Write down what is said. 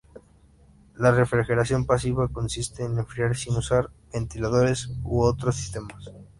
La refrigeración pasiva consiste en enfriar sin usar ventiladores u otros sistemas.